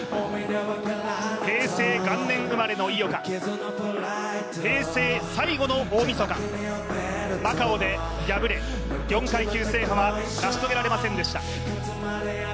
平成元年生まれの井岡、平成最後の大みそかマカオで破れ、４階級制覇は成し遂げられませんでした。